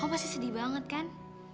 oh pasti sedih banget kan